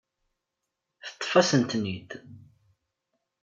Teṭṭef-asen-ten-id.